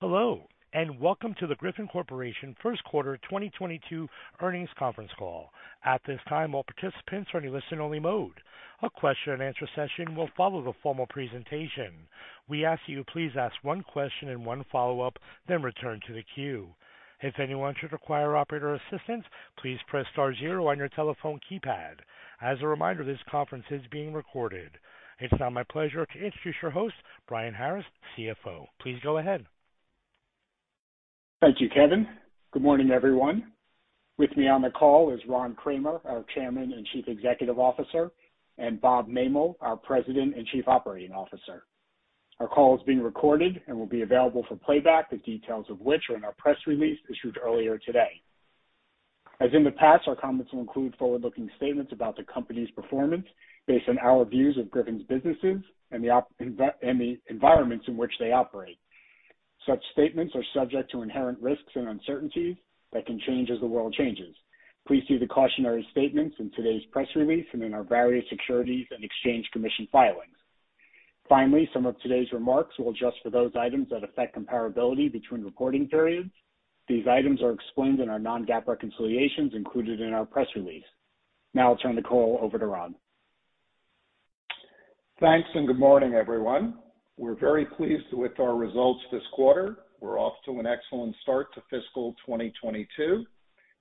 Hello, and welcome to the Griffon Corporation first quarter 2022 earnings conference call. At this time, all participants are in a listen-only mode. A question-and-answer session will follow the formal presentation. We ask you please ask one question and one follow-up, then return to the queue. If anyone should require operator assistance, please press star zero on your telephone keypad. As a reminder, this conference is being recorded. It's now my pleasure to introduce your host, Brian Harris, Chief Financial Officer. Please go ahead. Thank you, Kevin. Good morning, everyone. With me on the call is Ron Kramer, our Chairman and Chief Executive Officer, and Bob Mehmel, our President and Chief Operating Officer. Our call is being recorded and will be available for playback, the details of which are in our press release issued earlier today. As in the past, our comments will include forward-looking statements about the company's performance based on our views of Griffon's businesses and the environments in which they operate. Such statements are subject to inherent risks and uncertainties that can change as the world changes. Please see the cautionary statements in today's press release and in our various Securities and Exchange Commission filings. Finally, some of today's remarks will adjust for those items that affect comparability between reporting periods. These items are explained in our non-GAAP reconciliations included in our press release. Now I'll turn the call over to Ron. Thanks, and good morning, everyone. We're very pleased with our results this quarter. We're off to an excellent start to fiscal 2022.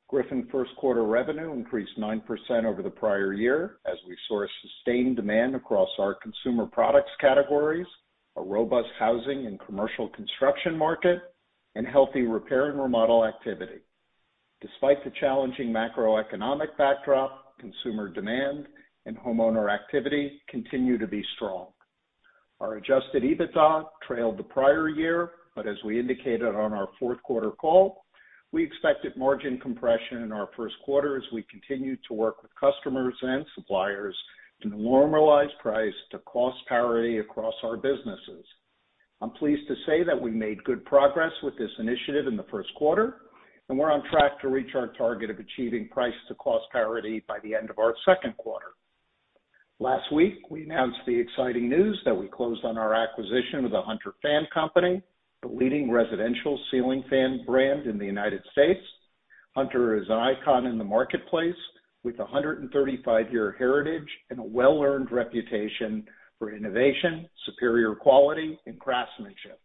Griffon first quarter revenue increased 9% over the prior year as we saw a sustained demand across our consumer products categories, a robust housing and commercial construction market, and healthy repair and remodel activity. Despite the challenging macroeconomic backdrop, consumer demand and homeowner activity continue to be strong. Our adjusted EBITDA trailed the prior year, but as we indicated on our fourth quarter call, we expected margin compression in our first quarter as we continued to work with customers and suppliers to normalize price to cost parity across our businesses. I'm pleased to say that we made good progress with this initiative in the first quarter, and we're on track to reach our target of achieving price to cost parity by the end of our second quarter. Last week, we announced the exciting news that we closed on our acquisition of the Hunter Fan Company, the leading residential ceiling fan brand in the United States. Hunter is an icon in the marketplace with a 135-year heritage and a well-earned reputation for innovation, superior quality, and craftsmanship.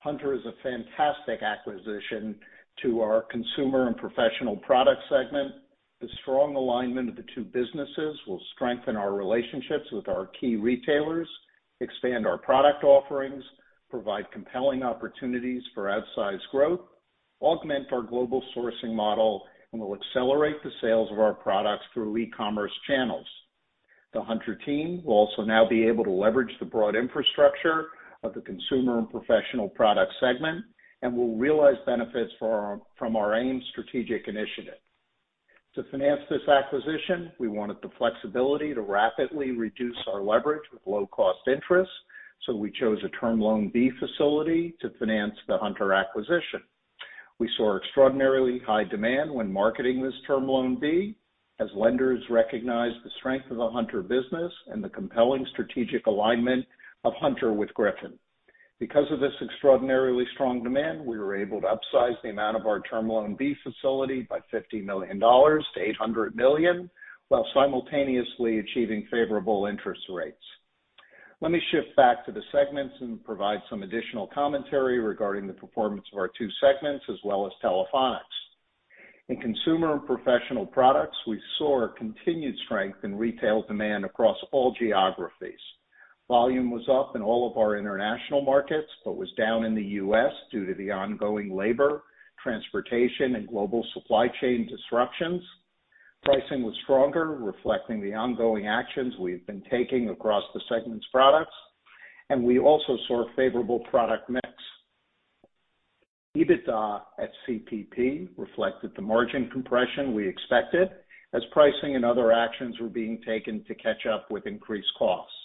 Hunter is a fantastic acquisition to our consumer and professional product segment. The strong alignment of the two businesses will strengthen our relationships with our key retailers, expand our product offerings, provide compelling opportunities for outsized growth, augment our global sourcing model, and will accelerate the sales of our products through e-commerce channels. The Hunter team will also now be able to leverage the broad infrastructure of the consumer and professional product segment and will realize benefits from our AMES strategic initiative. To finance this acquisition, we wanted the flexibility to rapidly reduce our leverage with low cost interest, so we chose a Term Loan B facility to finance the Hunter acquisition. We saw extraordinarily high demand when marketing this Term Loan B, as lenders recognized the strength of the Hunter business and the compelling strategic alignment of Hunter with Griffon. Because of this extraordinarily strong demand, we were able to upsize the amount of our Term Loan B facility by $50 million to $800 million, while simultaneously achieving favorable interest rates. Let me shift back to the segments and provide some additional commentary regarding the performance of our two segments as well as Telephonics. In consumer and professional products, we saw a continued strength in retail demand across all geographies. Volume was up in all of our international markets, but was down in the U.S. due to the ongoing labor, transportation, and global supply chain disruptions. Pricing was stronger, reflecting the ongoing actions we've been taking across the segment's products, and we also saw a favorable product mix. EBITDA at CPP reflected the margin compression we expected as pricing and other actions were being taken to catch up with increased costs.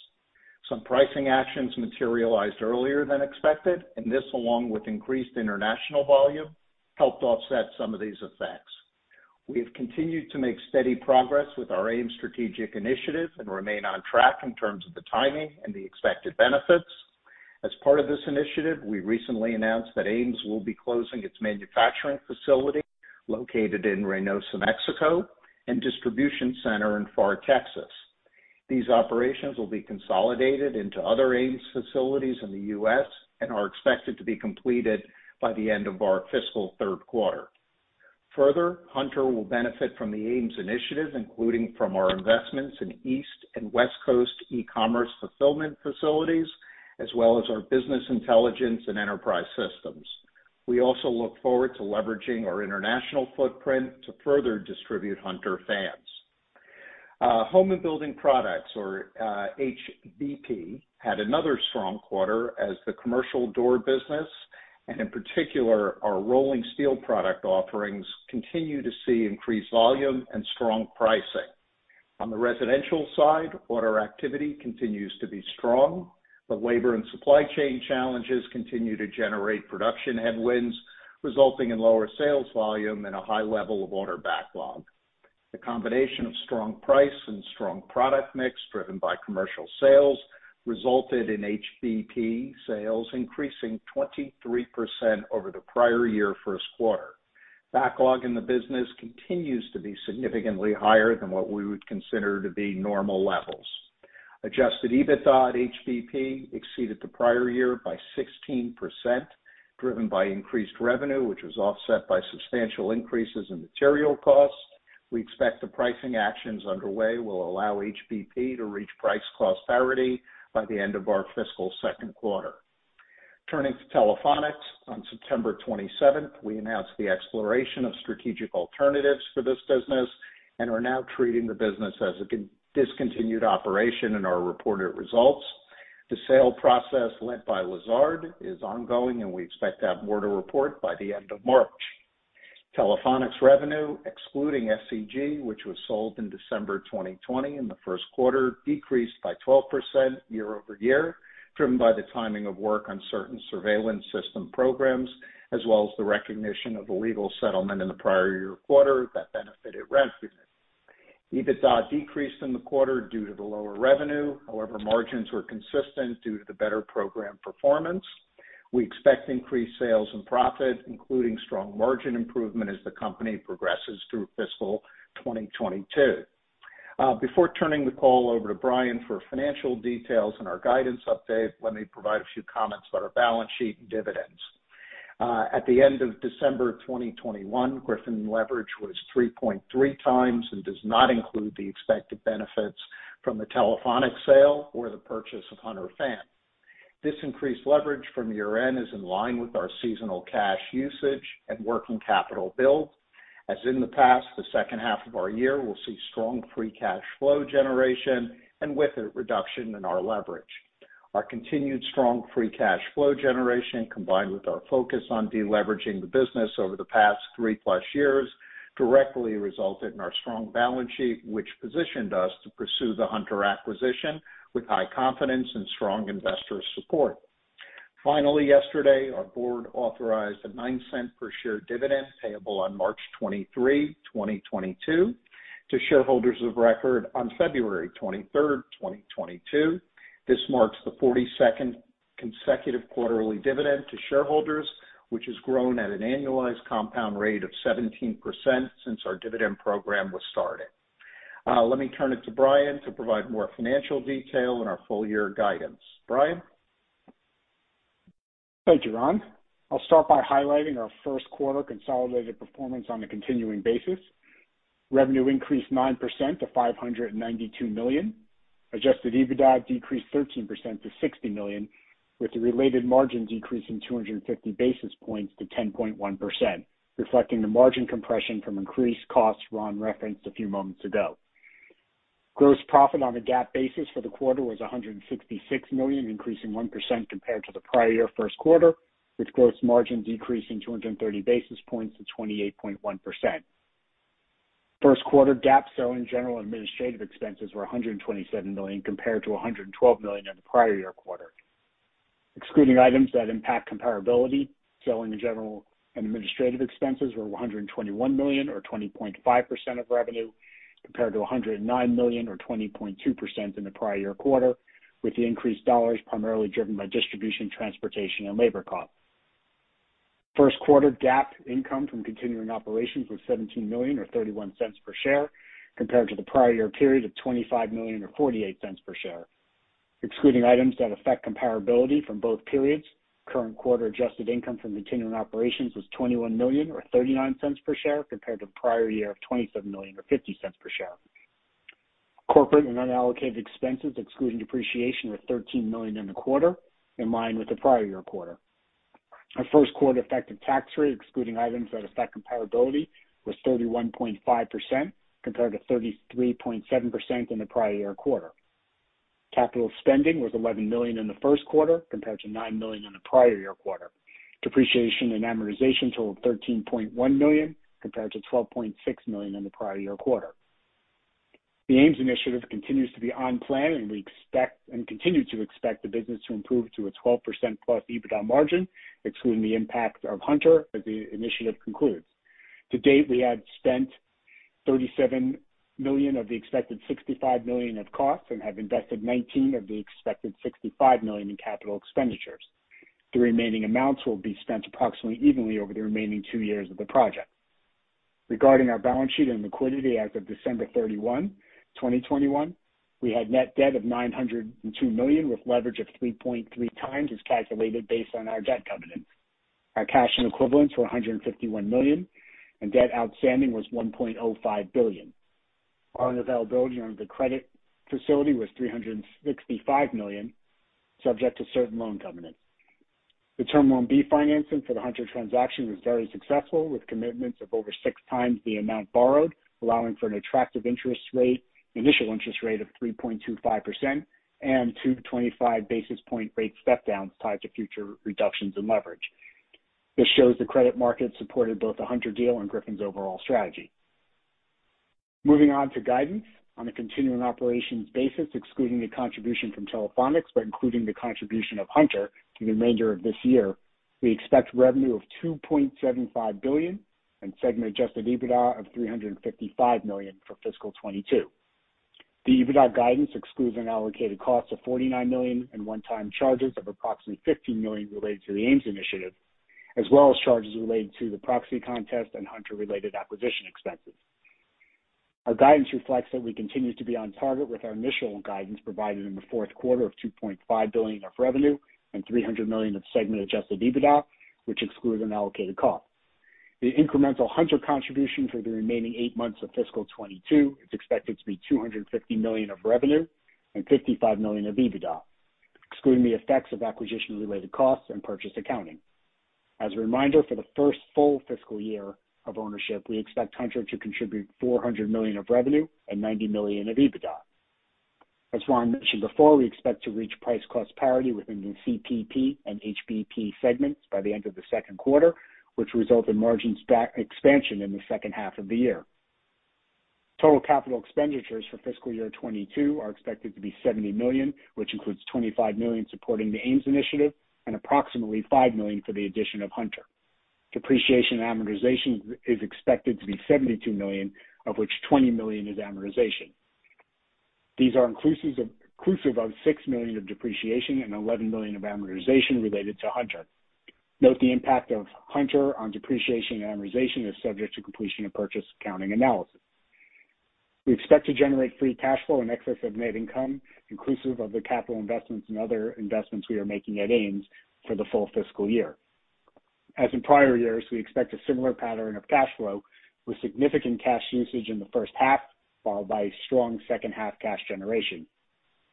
Some pricing actions materialized earlier than expected, and this, along with increased international volume, helped offset some of these effects. We have continued to make steady progress with our AMES strategic initiative and remain on track in terms of the timing and the expected benefits. As part of this initiative, we recently announced that AMES will be closing its manufacturing facility located in Reynosa, Mexico, and distribution center in Pharr, Texas. These operations will be consolidated into other AMES facilities in the U.S. and are expected to be completed by the end of our fiscal third quarter. Further, Hunter will benefit from the AMES initiative, including from our investments in East and West Coast e-commerce fulfillment facilities, as well as our business intelligence and enterprise systems. We also look forward to leveraging our international footprint to further distribute Hunter fans. Home and Building Products or, HBP, had another strong quarter as the commercial door business, and in particular, our rolling steel product offerings, continue to see increased volume and strong pricing. On the residential side, order activity continues to be strong, but labor and supply chain challenges continue to generate production headwinds, resulting in lower sales volume and a high level of order backlog. The combination of strong price and strong product mix driven by commercial sales resulted in HBP sales increasing 23% over the prior year first quarter. Backlog in the business continues to be significantly higher than what we would consider to be normal levels. Adjusted EBITDA at HBP exceeded the prior year by 16%, driven by increased revenue, which was offset by substantial increases in material costs. We expect the pricing actions underway will allow HBP to reach price cost parity by the end of our fiscal second quarter. Turning to Telephonics, on September 27, we announced the exploration of strategic alternatives for this business and are now treating the business as a discontinued operation in our reported results. The sale process led by Lazard is ongoing, and we expect to have more to report by the end of March. Telephonics revenue, excluding SEG, which was sold in December 2020, in the first quarter decreased by 12% year-over-year, driven by the timing of work on certain surveillance system programs, as well as the recognition of a legal settlement in the prior year quarter that benefited revenue. EBITDA decreased in the quarter due to the lower revenue. However, margins were consistent due to the better program performance. We expect increased sales and profit, including strong margin improvement as the company progresses through fiscal 2022. Before turning the call over to Brian for financial details and our guidance update, let me provide a few comments about our balance sheet and dividends. At the end of December 2021, Griffon leverage was 3.3x and does not include the expected benefits from the Telephonics sale or the purchase of Hunter Fan. This increased leverage from year-end is in line with our seasonal cash usage and working capital build. As in the past, the second half of our year will see strong free cash flow generation and with it, reduction in our leverage. Our continued strong free cash flow generation, combined with our focus on de-leveraging the business over the past three-plus years, directly resulted in our strong balance sheet, which positioned us to pursue the Hunter acquisition with high confidence and strong investor support. Finally, yesterday, our board authorized a $0.09 per share dividend payable on March 23, 2022 to shareholders of record on February 23, 2022. This marks the 42nd consecutive quarterly dividend to shareholders, which has grown at an annualized compound rate of 17% since our dividend program was started. Let me turn it to Brian to provide more financial detail and our full year guidance. Brian? Thank you, Ron. I'll start by highlighting our first quarter consolidated performance on a continuing basis. Revenue increased 9% to $592 million. Adjusted EBITDA decreased 13% to $60 million, with the related margin decreasing 250 basis points to 10.1%, reflecting the margin compression from increased costs Ron referenced a few moments ago. Gross profit on a GAAP basis for the quarter was $166 million, increasing 1% compared to the prior year first quarter, with gross margin decreasing 230 basis points to 28.1%. First quarter GAAP selling, general and administrative expenses were $127 million compared to $112 million in the prior year quarter. Excluding items that impact comparability, selling and general and administrative expenses were $121 million or 20.5% of revenue, compared to $109 million or 20.2% in the prior year quarter, with the increased dollars primarily driven by distribution, transportation, and labor costs. First quarter GAAP income from continuing operations was $17 million or $0.31 per share, compared to the prior year period of $25 million or $0.48 per share. Excluding items that affect comparability from both periods, current quarter adjusted income from continuing operations was $21 million or $0.39 per share, compared to prior year of $27 million or $0.50 per share. Corporate and unallocated expenses excluding depreciation were $13 million in the quarter, in line with the prior year quarter. Our first quarter effective tax rate, excluding items that affect comparability, was 31.5% compared to 33.7% in the prior year quarter. Capital spending was $11 million in the first quarter compared to $9 million in the prior year quarter. Depreciation and amortization totaled $13.1 million compared to $12.6 million in the prior year quarter. The AMES initiative continues to be on plan, and we expect and continue to expect the business to improve to a 12%+ EBITDA margin, excluding the impact of Hunter as the initiative concludes. To date, we have spent $37 million of the expected $65 million of costs and have invested $19 million of the expected $65 million in capital expenditures. The remaining amounts will be spent approximately evenly over the remaining two years of the project. Regarding our balance sheet and liquidity as of December 31, 2021, we had net debt of $902 million with leverage of 3.3x as calculated based on our debt covenants. Our cash and equivalents were $151 million, and debt outstanding was $1.05 billion. Our availability under the credit facility was $365 million, subject to certain loan covenants. The Term Loan B financing for the Hunter transaction was very successful with commitments of over 6x the amount borrowed, allowing for an attractive interest rate, initial interest rate of 3.25% and 225 basis point rate step downs tied to future reductions in leverage. This shows the credit market supported both the Hunter deal and Griffon's overall strategy. Moving on to guidance. On a continuing operations basis, excluding the contribution from Telephonics, but including the contribution of Hunter through the remainder of this year. We expect revenue of $2.75 billion and segment adjusted EBITDA of $355 million for fiscal 2022. The EBITDA guidance excludes an allocated cost of $49 million and one-time charges of approximately $15 million related to the AMES initiative, as well as charges related to the proxy contest and Hunter-related acquisition expenses. Our guidance reflects that we continue to be on target with our initial guidance provided in the fourth quarter of $2.5 billion of revenue and $300 million of segment adjusted EBITDA, which excludes an allocated cost. The incremental Hunter contribution for the remaining eight months of fiscal 2022 is expected to be $250 million of revenue and $55 million of EBITDA, excluding the effects of acquisition-related costs and purchase accounting. As a reminder, for the first full fiscal year of ownership, we expect Hunter to contribute $400 million of revenue and $90 million of EBITDA. As Ron mentioned before, we expect to reach price-cost parity within the CPP and HBP segments by the end of the second quarter, which result in margin expansion in the second half of the year. Total capital expenditures for fiscal year 2022 are expected to be $70 million, which includes $25 million supporting the AMES initiative and approximately $5 million for the addition of Hunter. Depreciation and amortization is expected to be $72 million, of which $20 million is amortization. These are inclusive of $6 million of depreciation and $11 million of amortization related to Hunter. Note the impact of Hunter on depreciation and amortization is subject to completion of purchase accounting analysis. We expect to generate free cash flow in excess of net income, inclusive of the capital investments and other investments we are making at AMES for the full fiscal year. As in prior years, we expect a similar pattern of cash flow, with significant cash usage in the first half, followed by strong second half cash generation.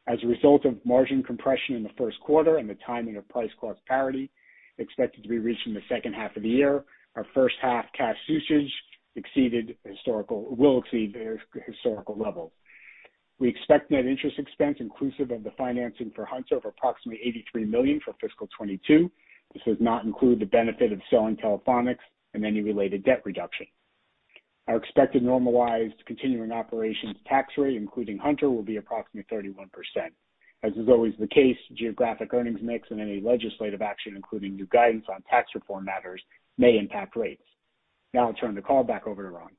As a result of margin compression in the first quarter and the timing of price-cost parity expected to be reached in the second half of the year, our first half cash usage will exceed historical levels. We expect net interest expense inclusive of the financing for Hunter of approximately $83 million for fiscal 2022. This does not include the benefit of selling Telephonics and any related debt reduction. Our expected normalized continuing operations tax rate, including Hunter, will be approximately 31%. As is always the case, geographic earnings mix and any legislative action, including new guidance on tax reform matters, may impact rates. Now I'll turn the call back over to Ron.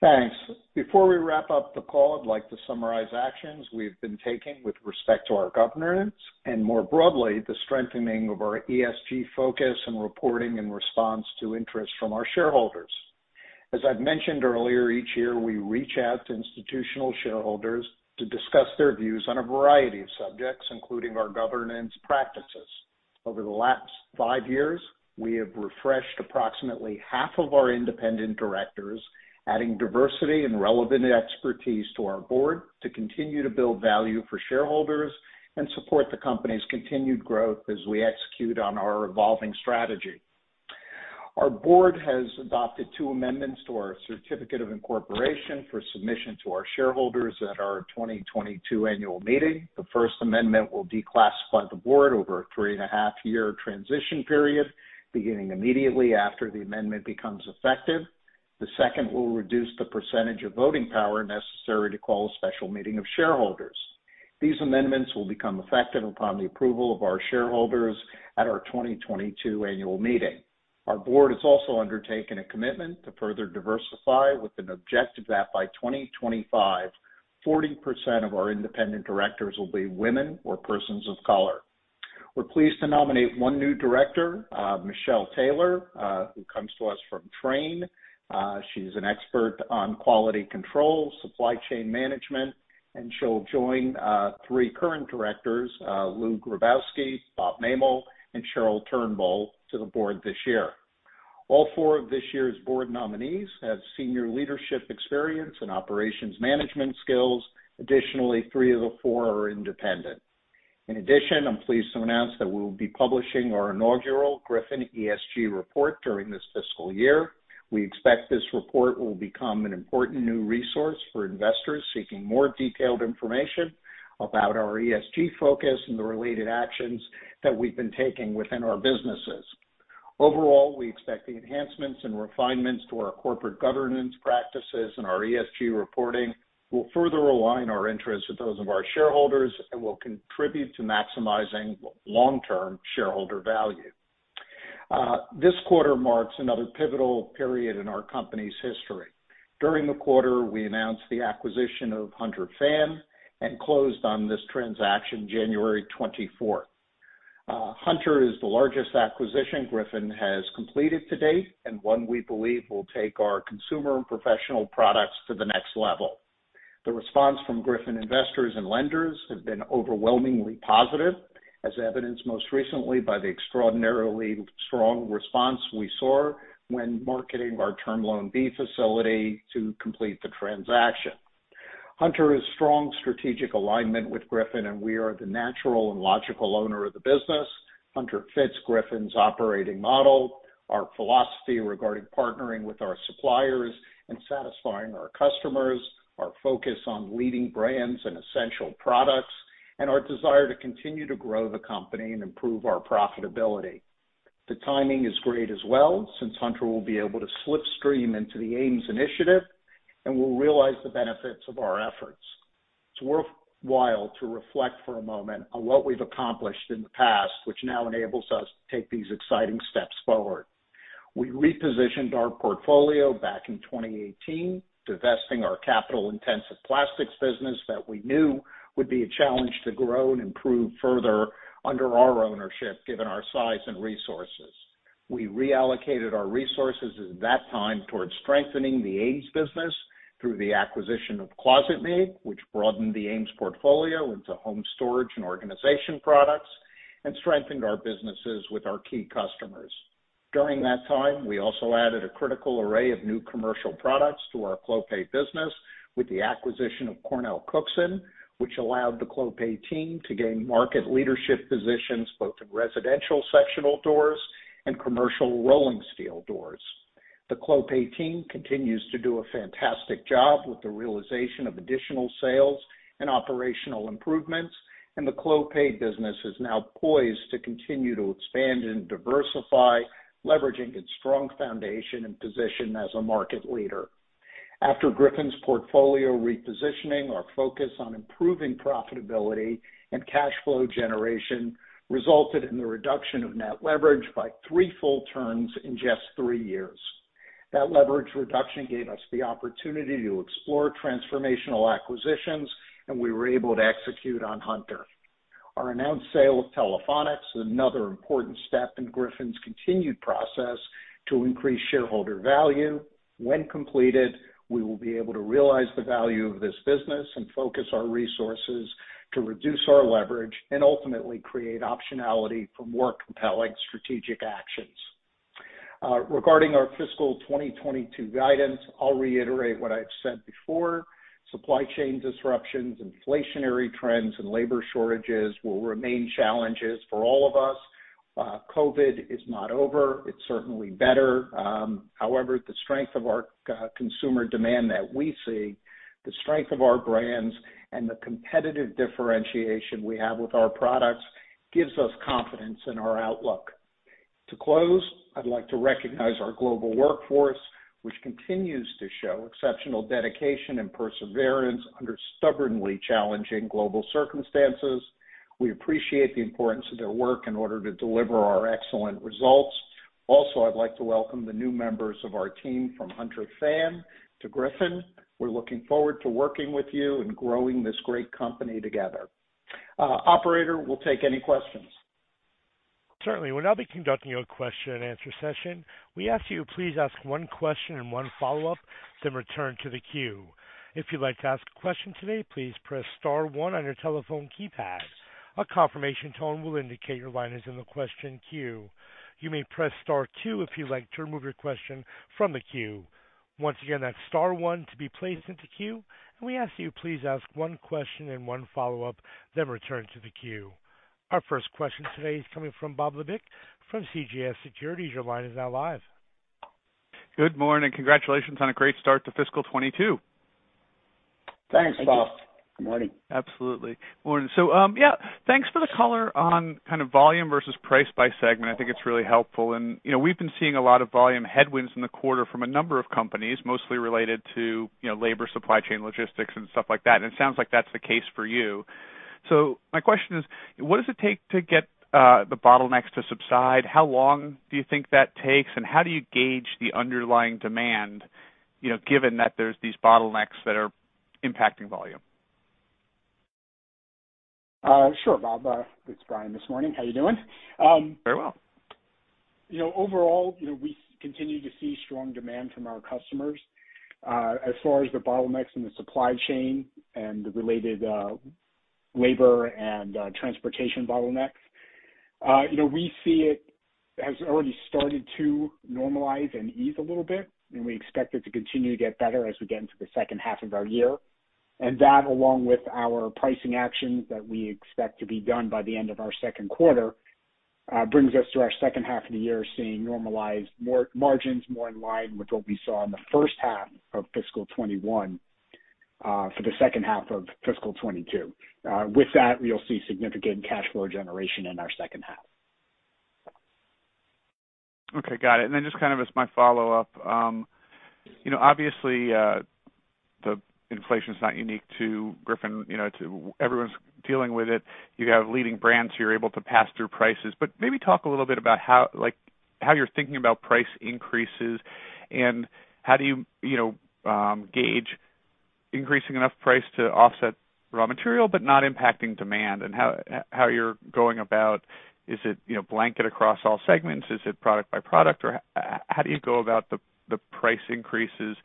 Thanks. Before we wrap up the call, I'd like to summarize actions we've been taking with respect to our governance and more broadly, the strengthening of our ESG focus and reporting and response to interest from our shareholders. As I've mentioned earlier, each year we reach out to institutional shareholders to discuss their views on a variety of subjects, including our governance practices. Over the last five years, we have refreshed approximately half of our independent directors, adding diversity and relevant expertise to our board to continue to build value for shareholders and support the company's continued growth as we execute on our evolving strategy. Our board has adopted two amendments to our certificate of incorporation for submission to our shareholders at our 2022 annual meeting. The first amendment will declassify the board over a three-and-a-half year transition period, beginning immediately after the amendment becomes effective. The second will reduce the percentage of voting power necessary to call a special meeting of shareholders. These amendments will become effective upon the approval of our shareholders at our 2022 annual meeting. Our board has also undertaken a commitment to further diversify with an objective that by 2025, 40% of our independent directors will be women or persons of color. We're pleased to nominate one new director, Michelle Taylor, who comes to us from Trane. She's an expert on quality control, supply chain management, and she'll join three current directors, Lou Grabowsky, Bob Mehmel, and Cheryl Turnbull to the board this year. All four of this year's board nominees have senior leadership experience and operations management skills. Additionally, three of the four are independent. In addition, I'm pleased to announce that we will be publishing our inaugural Griffon ESG report during this fiscal year. We expect this report will become an important new resource for investors seeking more detailed information about our ESG focus and the related actions that we've been taking within our businesses. Overall, we expect the enhancements and refinements to our corporate governance practices and our ESG reporting will further align our interests with those of our shareholders and will contribute to maximizing long-term shareholder value. This quarter marks another pivotal period in our company's history. During the quarter, we announced the acquisition of Hunter Fan and closed on this transaction January twenty-fourth. Hunter is the largest acquisition Griffon has completed to date, and one we believe will take our consumer and professional products to the next level. The response from Griffon investors and lenders has been overwhelmingly positive, as evidenced most recently by the extraordinarily strong response we saw when marketing our Term Loan B facility to complete the transaction. Hunter is a strong strategic alignment with Griffon, and we are the natural and logical owner of the business. Hunter fits Griffon's operating model, our philosophy regarding partnering with our suppliers and satisfying our customers, our focus on leading brands and essential products, and our desire to continue to grow the company and improve our profitability. The timing is great as well, since Hunter will be able to slipstream into the AMES initiative and will realize the benefits of our efforts. It's worthwhile to reflect for a moment on what we've accomplished in the past, which now enables us to take these exciting steps forward. We repositioned our portfolio back in 2018, divesting our capital-intensive plastics business that we knew would be a challenge to grow and improve further under our ownership, given our size and resources. We reallocated our resources at that time towards strengthening the Ames business through the acquisition of ClosetMaid, which broadened the Ames portfolio into home storage and organization products and strengthened our businesses with our key customers. During that time, we also added a critical array of new commercial products to our Clopay business with the acquisition of CornellCookson, which allowed the Clopay team to gain market leadership positions both in residential sectional doors and commercial rolling steel doors. The Clopay team continues to do a fantastic job with the realization of additional sales and operational improvements, and the Clopay business is now poised to continue to expand and diversify, leveraging its strong foundation and position as a market leader. After Griffon's portfolio repositioning, our focus on improving profitability and cash flow generation resulted in the reduction of net leverage by three full turns in just three years. That leverage reduction gave us the opportunity to explore transformational acquisitions, and we were able to execute on Hunter. Our announced sale of Telephonics is another important step in Griffon's continued process to increase shareholder value. When completed, we will be able to realize the value of this business and focus our resources to reduce our leverage and ultimately create optionality for more compelling strategic actions. Regarding our fiscal 2022 guidance, I'll reiterate what I've said before. Supply chain disruptions, inflationary trends, and labor shortages will remain challenges for all of us. COVID is not over. It's certainly better. However, the strength of our consumer demand that we see, the strength of our brands, and the competitive differentiation we have with our products gives us confidence in our outlook. To close, I'd like to recognize our global workforce, which continues to show exceptional dedication and perseverance under stubbornly challenging global circumstances. We appreciate the importance of their work in order to deliver our excellent results. Also, I'd like to welcome the new members of our team from Hunter Fan to Griffon. We're looking forward to working with you and growing this great company together. Operator, we'll take any questions. Certainly. We'll now be conducting your question and answer session. We ask you to please ask one question and one follow-up, then return to the queue. If you'd like to ask a question today, please press star one on your telephone keypad. A confirmation tone will indicate your line is in the question queue. You may press star two if you'd like to remove your question from the queue. Once again, that's star one to be placed into queue, and we ask you please ask one question and one follow-up, then return to the queue. Our first question today is coming from Bob Labick from CJS Securities. Your line is now live. Good morning. Congratulations on a great start to fiscal 2022. Thanks, Bob. Good morning. Absolutely. Morning. Yeah, thanks for the color on kind of volume versus price by segment. I think it's really helpful. You know, we've been seeing a lot of volume headwinds in the quarter from a number of companies, mostly related to, you know, labor, supply chain, logistics and stuff like that, and it sounds like that's the case for you. My question is, what does it take to get the bottlenecks to subside? How long do you think that takes, and how do you gauge the underlying demand, you know, given that there's these bottlenecks that are impacting volume? Sure, Bob. It's Brian this morning. How are you doing? Very well. You know, overall, you know, we continue to see strong demand from our customers. As far as the bottlenecks in the supply chain and the related labor and transportation bottlenecks, you know, we see it has already started to normalize and ease a little bit, and we expect it to continue to get better as we get into the second half of our year. That, along with our pricing actions that we expect to be done by the end of our second quarter, brings us to our second half of the year seeing normalized margins more in line with what we saw in the first half of fiscal 2021 for the second half of fiscal 2022. With that, we'll see significant cash flow generation in our second half. Okay, got it. Then just kind of as my follow-up. You know, obviously, the inflation's not unique to Griffon, you know, everyone's dealing with it. You have leading brands who you're able to pass through prices, but maybe talk a little bit about how you're thinking about price increases and how do you know, gauge increasing enough price to offset raw material but not impacting demand and how you're going about it. Is it, you know, blanket across all segments? Is it product by product, or how do you go about the price increases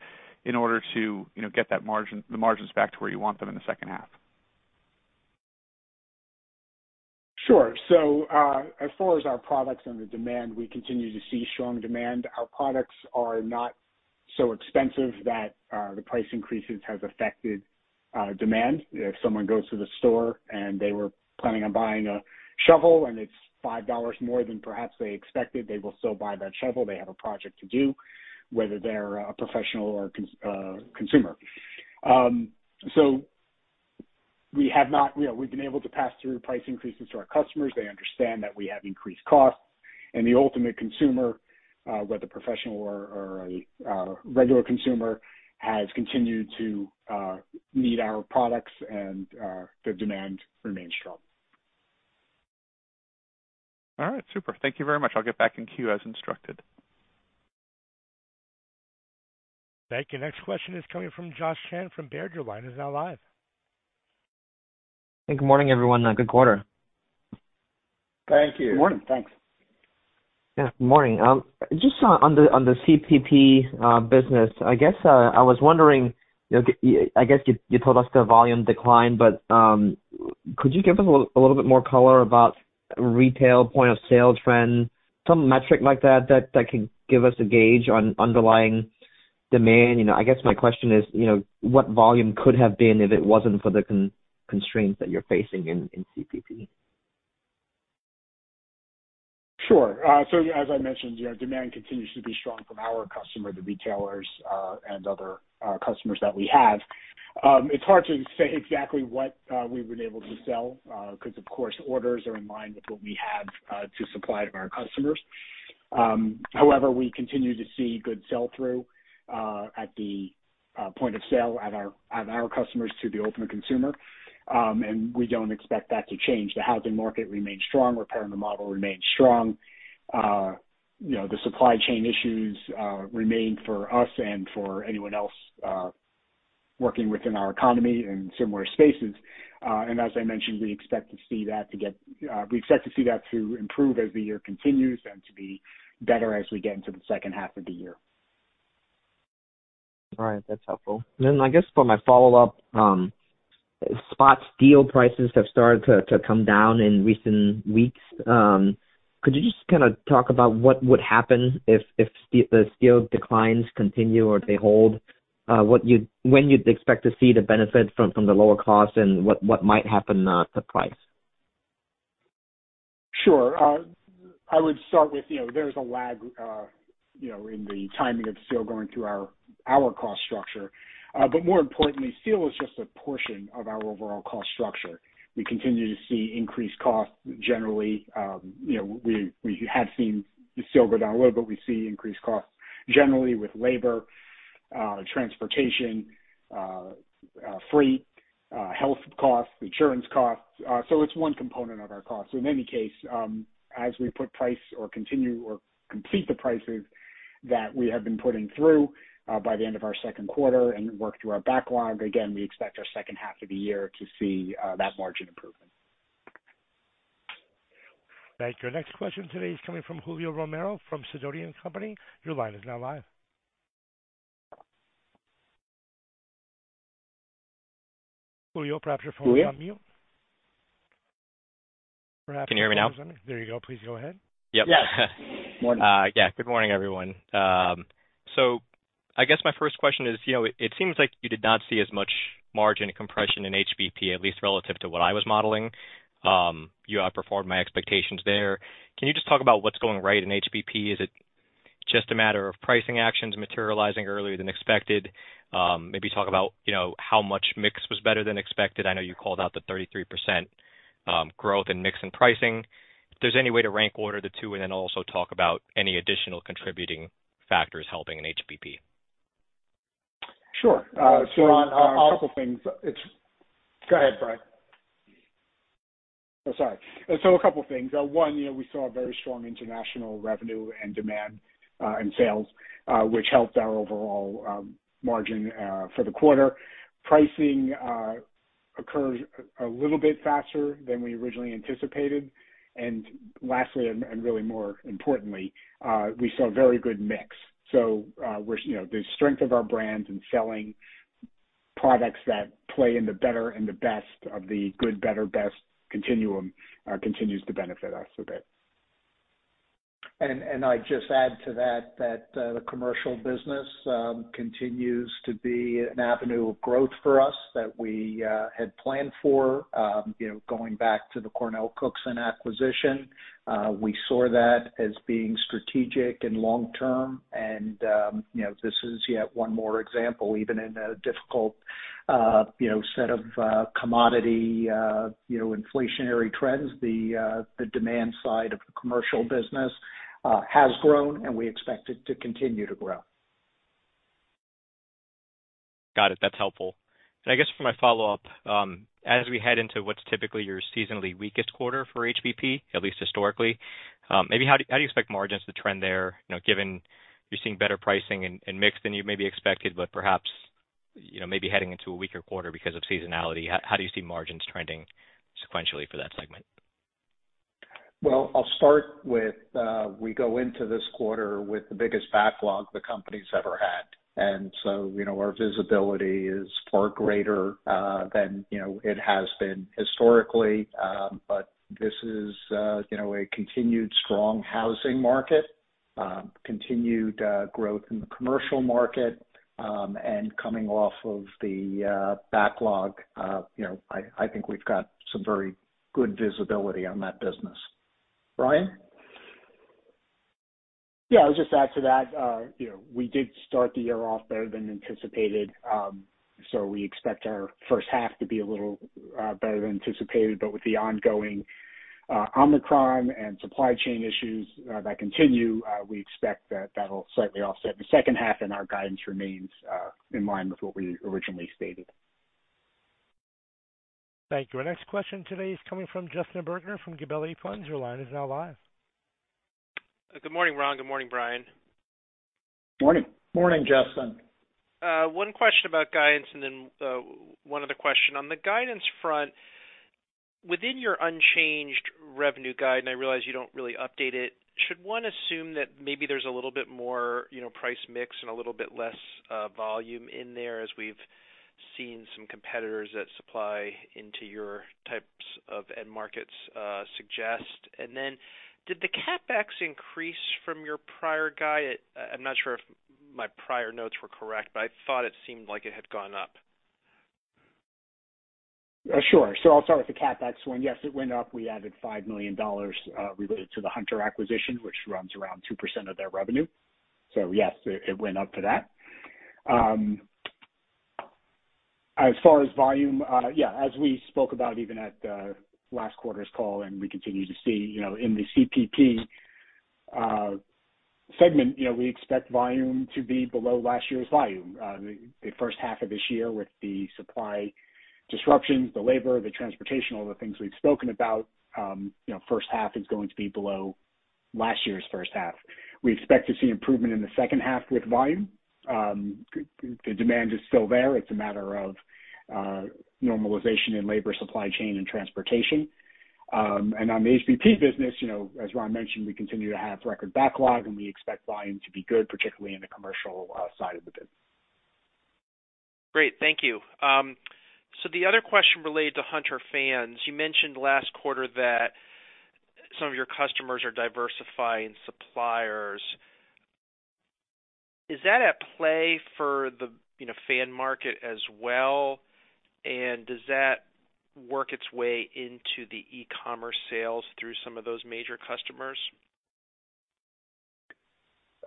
in order to, you know, get the margins back to where you want them in the second half? Sure. As far as our products and the demand, we continue to see strong demand. Our products are not so expensive that the price increases have affected demand. If someone goes to the store and they were planning on buying a shovel and it's $5 more than perhaps they expected, they will still buy that shovel. They have a project to do, whether they're a professional or consumer. You know, we've been able to pass through price increases to our customers. They understand that we have increased costs. The ultimate consumer, whether professional or a regular consumer, has continued to need our products and the demand remains strong. All right. Super. Thank you very much. I'll get back in queue as instructed. Thank you. Next question is coming from Josh Chan from Baird. Your line is now live. Good morning, everyone, and good quarter. Thank you. Morning. Thanks. Yeah. Morning. Just on the CPP business, I guess, I was wondering, you know, I guess you told us the volume declined, but could you give us a little bit more color about retail point of sale trend, some metric like that that could give us a gauge on underlying demand? You know, I guess my question is, you know, what volume could have been if it wasn't for the constraints that you're facing in CPP? Sure. As I mentioned, you know, demand continues to be strong from our customer, the retailers, and other customers that we have. It's hard to say exactly what we've been able to sell, because of course, orders are in line with what we have to supply to our customers. However, we continue to see good sell-through at the point of sale at our customers to the ultimate consumer. We don't expect that to change. The housing market remains strong. Repair and remodel remains strong. You know, the supply chain issues remain for us and for anyone else working within our economy in similar spaces. As I mentioned, we expect to see that to improve as the year continues and to be better as we get into the second half of the year. All right. That's helpful. I guess for my follow-up, spot steel prices have started to come down in recent weeks. Could you just kinda talk about what would happen if the steel declines continue or they hold? When you'd expect to see the benefit from the lower cost and what might happen to price? Sure. I would start with, you know, there's a lag, you know, in the timing of steel going through our cost structure. But more importantly, steel is just a portion of our overall cost structure. We continue to see increased costs generally. You know, we have seen steel go down a little, but we see increased costs generally with labor, transportation, freight, health costs, insurance costs. So it's one component of our cost. So in any case, as we put prices or continue or complete the prices that we have been putting through, by the end of our second quarter and work through our backlog, again, we expect our second half of the year to see that margin improvement. Thank you. Our next question today is coming from Julio Romero from Sidoti & Company. Your line is now live. Julio, perhaps your phone is on mute. Julio. Perhaps your phone is on. Can you hear me now? There you go. Please go ahead. Yep. Yes. Morning. Yeah. Good morning, everyone. I guess my first question is, you know, it seems like you did not see as much margin compression in HBP, at least relative to what I was modeling. You outperformed my expectations there. Can you just talk about what's going right in HBP? Is it just a matter of pricing actions materializing earlier than expected? Maybe talk about, you know, how much mix was better than expected. I know you called out the 33% growth in mix and pricing. If there's any way to rank order the two, and then also talk about any additional contributing factors helping in HBP. Sure. Brian, a couple things. Go ahead, Brian. Sorry. A couple of things. One, you know, we saw a very strong international revenue and demand, and sales, which helped our overall margin for the quarter. Pricing occurred a little bit faster than we originally anticipated. Lastly, and really more importantly, we saw very good mix. We're, you know, the strength of our brands in selling products that play in the better and the best of the good, better, best continuum, continues to benefit us a bit. I'd just add to that the commercial business continues to be an avenue of growth for us that we had planned for, you know, going back to the CornellCookson acquisition. We saw that as being strategic and long-term, and you know, this is yet one more example, even in a difficult you know, set of commodity you know, inflationary trends. The demand side of the commercial business has grown, and we expect it to continue to grow. Got it. That's helpful. I guess for my follow-up, as we head into what's typically your seasonally weakest quarter for HBP, at least historically, maybe how do you expect margins to trend there? You know, given you're seeing better pricing and mix than you maybe expected, but perhaps, you know, maybe heading into a weaker quarter because of seasonality, how do you see margins trending sequentially for that segment? Well, I'll start with we go into this quarter with the biggest backlog the company's ever had. You know, our visibility is far greater than you know it has been historically. This is you know a continued strong housing market, continued growth in the commercial market, and coming off of the backlog, you know, I think we've got some very good visibility on that business. Brian? Yeah, I'll just add to that. You know, we did start the year off better than anticipated. We expect our first half to be a little better than anticipated. With the ongoing Omicron and supply chain issues that continue, we expect that that'll slightly offset the second half and our guidance remains in line with what we originally stated. Thank you. Our next question today is coming from Justin Bergner from Gabelli Funds. Your line is now live. Good morning, Ron. Good morning, Brian. Morning. Morning, Justin. One question about guidance and then one other question. On the guidance front, within your unchanged revenue guide, and I realize you don't really update it, should one assume that maybe there's a little bit more, you know, price mix and a little bit less volume in there as we've seen some competitors that supply into your types of end markets suggest? And then did the CapEx increase from your prior guide? I'm not sure if my prior notes were correct, but I thought it seemed like it had gone up. Sure. I'll start with the CapEx one. Yes, it went up. We added $5 million related to the Hunter acquisition, which runs around 2% of their revenue. Yes, it went up for that. As far as volume, yeah, as we spoke about even at last quarter's call and we continue to see, you know, in the CPP segment, you know, we expect volume to be below last year's volume. The first half of this year with the supply disruptions, the labor, the transportation, all the things we've spoken about, you know, first half is going to be below last year's first half. We expect to see improvement in the second half with volume. The demand is still there. It's a matter of normalization in labor, supply chain and transportation. On the HBP business, you know, as Ron mentioned, we continue to have record backlog and we expect volume to be good, particularly in the commercial side of the business. Great. Thank you. The other question related to Hunter Fans. You mentioned last quarter that some of your customers are diversifying suppliers. Is that at play for the fan market as well? And does that work its way into the e-commerce sales through some of those major customers?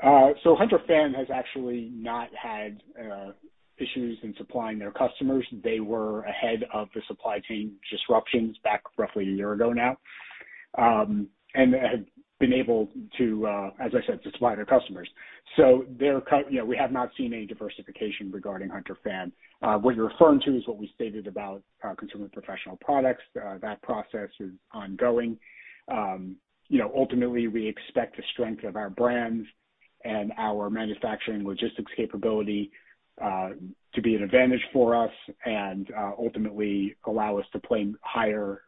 Hunter Fan has actually not had issues in supplying their customers. They were ahead of the supply chain disruptions back roughly a year ago now, and have been able to, as I said, supply their customers. You know, we have not seen any diversification regarding Hunter Fan. What you're referring to is what we stated about our consumer professional products. That process is ongoing. You know, ultimately, we expect the strength of our brands and our manufacturing logistics capability to be an advantage for us and ultimately allow us to play higher,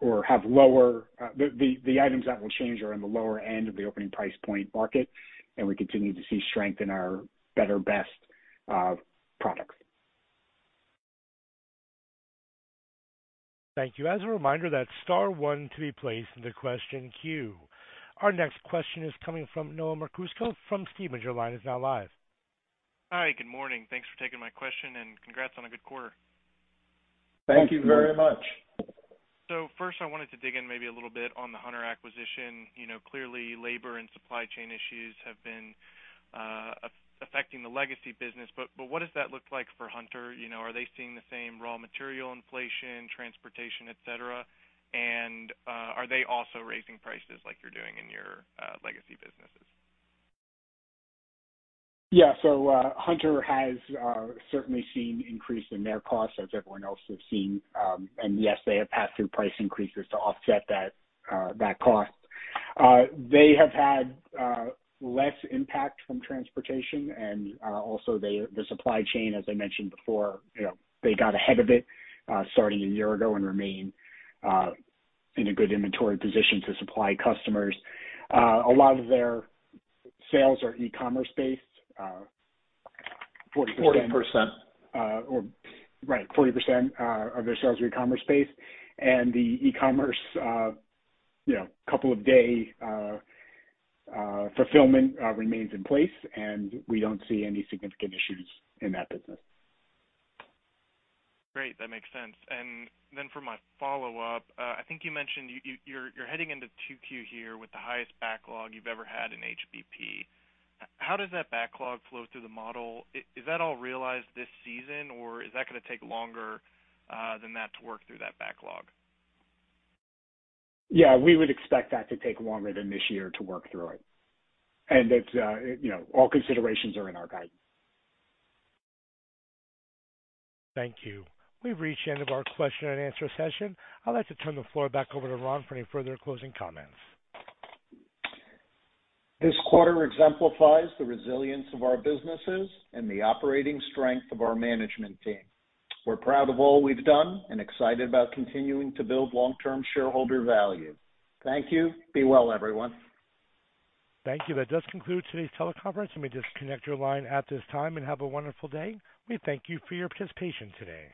or have lower. The items that will change are in the lower end of the opening price point market, and we continue to see strength in our better, best products. Thank you. As a reminder, that's star one to be placed in the question queue. Our next question is coming from Noah Merkousko from Stephens. Your line is now live. Hi, good morning. Thanks for taking my question and congrats on a good quarter. Thank you very much. Thank you. First, I wanted to dig in maybe a little bit on the Hunter acquisition. You know, clearly labor and supply chain issues have been affecting the legacy business, but what does that look like for Hunter? You know, are they seeing the same raw material inflation, transportation, et cetera? Are they also raising prices like you're doing in your legacy businesses? Yeah. Hunter has certainly seen an increase in their costs as everyone else has seen. Yes, they have passed through price increases to offset that cost. They have had less impact from transportation. Also the supply chain, as I mentioned before, you know, they got ahead of it starting a year ago and remain in a good inventory position to supply customers. A lot of their sales are e-commerce based, 40%- 40%. 40% of their sales are e-commerce based. The e-commerce, you know, couple of day fulfillment remains in place, and we don't see any significant issues in that business. Great, that makes sense. For my follow-up, I think you mentioned you're heading into 2Q here with the highest backlog you've ever had in HBP. How does that backlog flow through the model? Is that all realized this season, or is that gonna take longer than that to work through that backlog? Yeah, we would expect that to take longer than this year to work through it. It's, you know, all considerations are in our guidance. Thank you. We've reached the end of our question and answer session. I'd like to turn the floor back over to Ron for any further closing comments. This quarter exemplifies the resilience of our businesses and the operating strength of our management team. We're proud of all we've done and excited about continuing to build long-term shareholder value. Thank you. Be well, everyone. Thank you. That does conclude today's teleconference. You may disconnect your line at this time, and have a wonderful day. We thank you for your participation today.